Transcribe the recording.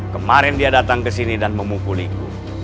kemarin dia datang kesini dan memukuliku